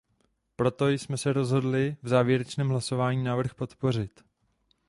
Proto jsme se rozhodli v závěrečném hlasovaní návrh podpořit.